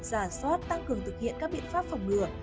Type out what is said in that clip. giả soát tăng cường thực hiện các biện pháp phòng ngừa